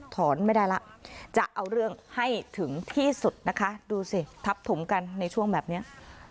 ไม่ได้แล้วจะเอาเรื่องให้ถึงที่สุดนะคะดูสิทับถมกันในช่วงแบบนี้